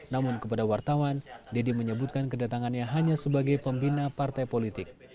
namun kepada wartawan dede menyebutkan kedatangannya hanya sebagai pembina partai politik